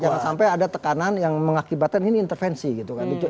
jangan sampai ada tekanan yang mengakibatkan ini intervensi gitu kan